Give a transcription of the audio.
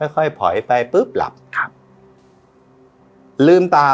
ค่อยถอยไปปุ๊บหลับครับลืมตา